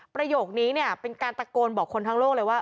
ประโยคนี้เนี่ยเป็นการตะโกนบอกคนทั้งโลกเลยว่า